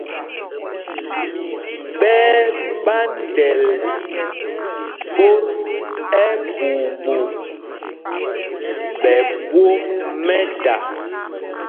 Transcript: Ɓɛ́ ɛ́ ɓándɛl ɓot ɛɓuuɓu ɓɛ ɓwôk mɛ́da.